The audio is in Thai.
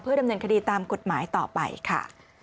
ดำเนินคดีตามกฎหมายต่อไปค่ะ